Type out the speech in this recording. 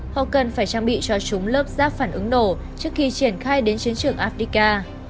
họ cần phải trang bị cho chúng lớp rác phản ứng nổ trước khi triển khai đến chiến trường afdica